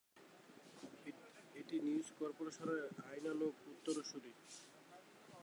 এটি নিউজ কর্পোরেশনের আইনানুগ উত্তরসূরি।